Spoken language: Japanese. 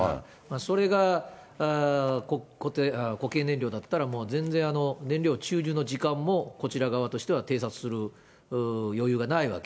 それが固形燃料だったら、もう全然、燃料注入の時間もこちら側としては偵察する余裕がないわけです。